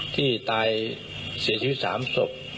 ที่ตายเสียชีวิต๓ศพ